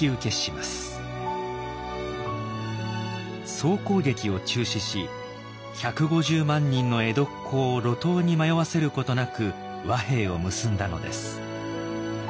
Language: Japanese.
総攻撃を中止し１５０万人の江戸っ子を路頭に迷わせることなく和平を結んだのです。